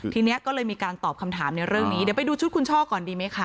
ทีนี้ก็เลยมีการตอบคำถามในเรื่องนี้เดี๋ยวไปดูชุดคุณช่อก่อนดีไหมคะ